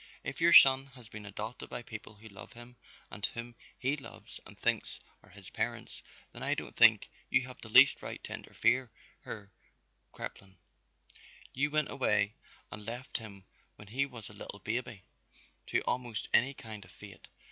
"If your son has been adopted by people who love him and whom he loves and thinks are his parents, then I don't think you have the least right to interfere, Herr Crippen. You went away and left him when he was a little baby to almost any kind of fate.